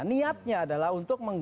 niatnya adalah untuk